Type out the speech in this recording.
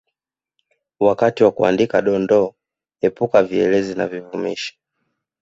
Wakati wa kuandika Dondoo epuka vielezi na vivumishi